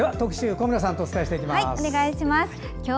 小村さんとお伝えしていきます。